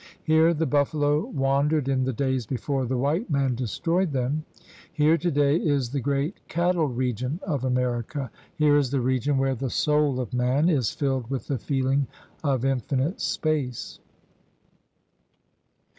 Here the buffalo wan dered in the days before the white man destroyed them. Here todaj' is the great cattle region of America. Here is the region where the soul of man is filled with the feeling of infinite space.